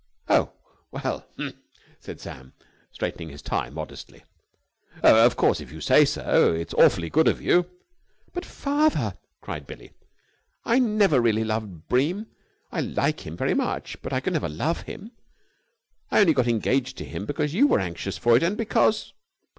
"Oh, well!" said Sam, straightening his tie modestly. "Of course, if you say so ... It's awfully good of you...." "But, father," cried Billie, "I never really loved Bream. I like him very much, but I could never love him. I only got engaged to him because you were so anxious for it, and because